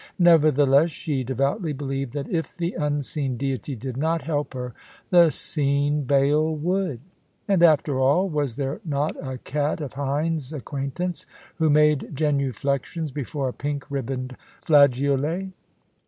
Nevertheless, she devoutly believed that if the unseen Deity did not help her, the seen Baal would. And after all, was there not a cat of Heine's acquaintance, who made genuflections before a pink ribboned flageolet?